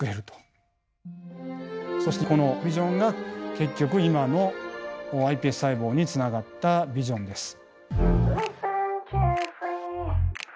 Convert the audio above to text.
そしてこのビジョンが結局今のｉＰＳ細胞につながったビジョンです。